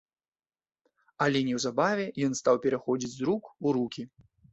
Але неўзабаве ён стаў пераходзіць з рук у рукі.